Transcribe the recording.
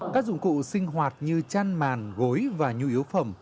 các dụng cụ sinh hoạt như chăn màn gối và nhu yếu phẩm